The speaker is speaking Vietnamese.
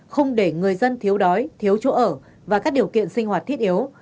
không để người dân thiếu đói thiếu chỗ ở và các điều kiện sinh hoạt thiết yếu